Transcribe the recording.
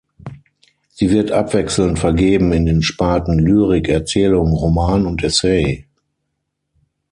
Sie wird abwechselnd vergeben in den Sparten Lyrik, Erzählung, Roman und Essay.